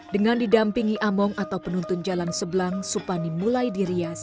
dengan didampingi among atau penuntun jalan sebelang supani mulai dirias